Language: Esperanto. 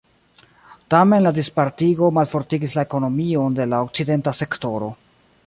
Tamen la dispartigo malfortigis la ekonomion de la okcidenta sektoro.